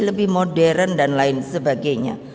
lebih modern dan lain sebagainya